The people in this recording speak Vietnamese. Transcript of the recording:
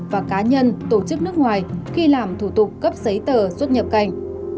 và cá nhân tổ chức nước ngoài khi làm thủ tục cấp giấy tờ xuất nhập cảnh